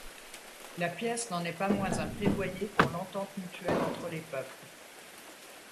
La pièce n'en est pas moins un plaidoyer pour l'entente mutuelle entre les peuples.